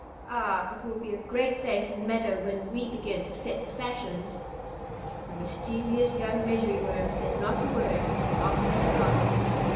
Ah, it will be a great day for the meadow when we begin to set the fashions!" The mischievous young Measuring Worm said not a word, and off they started.